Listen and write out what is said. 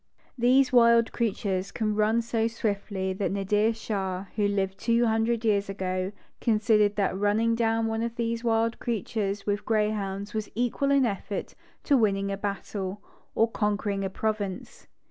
These wild creatures can run so swiftly that Nadir Shah, who lived two hundred years ago, considered that running down one of these wild creatures with grey hounds was equal in effort to winning a battle, or conquering a province.